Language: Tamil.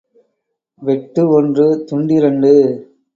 வெட்டு ஒன்று துண்டிரண்டு.